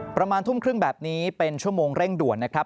ประมาณทุ่มครึ่งแบบนี้เป็นชั่วโมงเร่งด่วนนะครับ